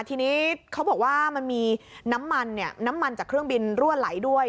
ทีนี้เขาบอกว่ามันมีน้ำมันเนี่ยน้ำมันจากเครื่องบินรั่วไหลด้วย